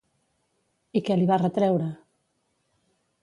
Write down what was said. I què li va retreure?